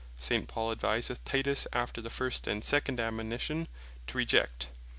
Paul adviseth Titus, after the first, and second admonition, to Reject.